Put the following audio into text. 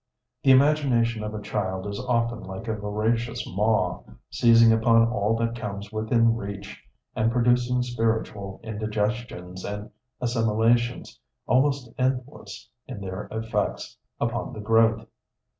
The imagination of a child is often like a voracious maw, seizing upon all that comes within reach, and producing spiritual indigestions and assimilations almost endless in their effects upon the growth.